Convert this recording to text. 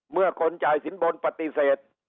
เมื่อคนจ่ายสินบนปฏิเสธ